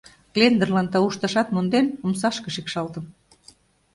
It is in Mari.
Клендырлан таушташат монден, омсашке шикшалтым.